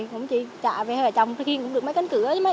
cũng chỉ chạy về hơi vào trong khiến cũng được mấy cánh cửa